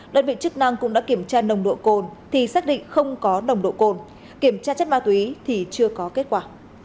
đơn vị chức năng cũng đã kiểm tra nồng độ cồn thì xác định không có nồng độ cồn kiểm tra chất ma túy thì chưa có kết quả